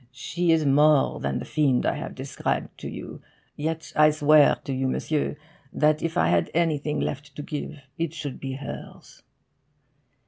"She is more than the fiend I have described to you. Yet I swear to you, monsieur, that if I had anything left to give, it should be hers."